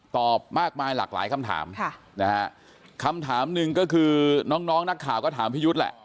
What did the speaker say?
มากมายหลากหลายคำถามนะฮะคำถามหนึ่งก็คือน้องนักข่าวก็ถามพี่ยุทธ์แหละ